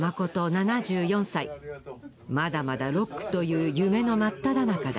７４歳まだまだロックという夢の真っただ中だ